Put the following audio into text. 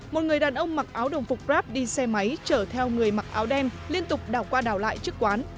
một người đàn ông mặc áo đồng phục grab đi xe máy chở theo người mặc áo đen liên tục đào qua đào lại trước quán